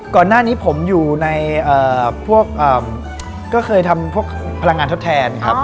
ก่อนหน้านี้ผมอยู่ในพวกก็เคยทำพวกพลังงานทดแทนครับ